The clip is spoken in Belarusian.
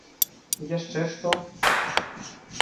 - Яшчэ што?